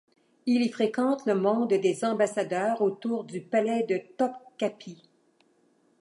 Il y fréquente le monde des ambassadeurs autour du palais de Topkapi.